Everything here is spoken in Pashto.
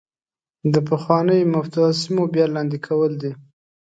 د پخوانو مفتوحه سیمو بیا لاندې کول ده.